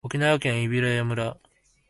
沖縄県伊平屋村